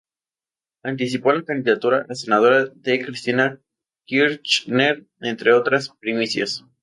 Anticipó la candidatura a senadora de Cristina Kirchner, entre otras primicias.